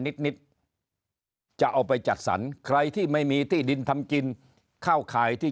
นิดนิดจะเอาไปจัดสรรใครที่ไม่มีที่ดินทำกินเข้าข่ายที่